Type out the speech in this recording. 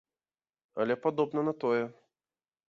Але падобна на тое.